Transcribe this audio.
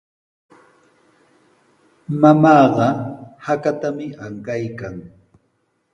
Mamaaqa hakatami ankaykan.